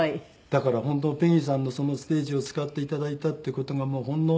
だから本当ペギーさんのそのステージを使って頂いたっていう事がほんの。